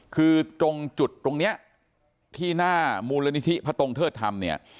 คือตรงจุดตรงนี้ที่หน้ามูลนิธิพระตงเทิดธรรมเนี่ย